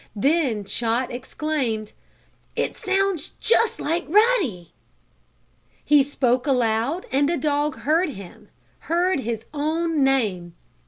Then Chot exclaimed: "It sounds just like Ruddy!" He spoke aloud and the dog heard him heard his own name.